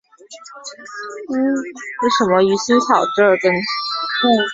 为黄道与赤道的两个交点之一。